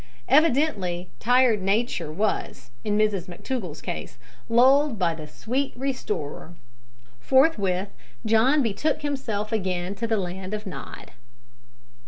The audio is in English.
Evidently "tired nature" was, in Mrs McTougall's case, lulled by the "sweet restorer." Forthwith John betook himself again to the land of Nod.